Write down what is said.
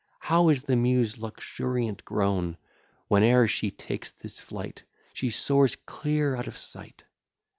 How is the Muse luxuriant grown! Whene'er she takes this flight, She soars clear out of sight.